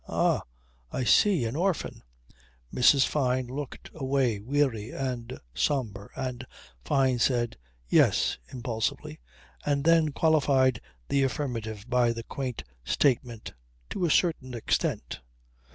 "Ah! I see. An orphan." Mrs. Fyne looked away weary and sombre, and Fyne said "Yes" impulsively, and then qualified the affirmative by the quaint statement: "To a certain extent."